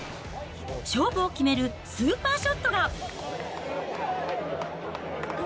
勝負を決めるスーパーショットが。